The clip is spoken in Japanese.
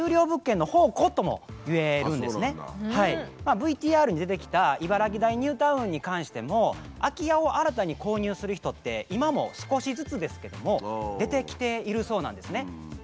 ＶＴＲに出てきた茨木台ニュータウンに関しても空き家を新たに購入する人って今も少しずつですけども出てきているそうなんですね。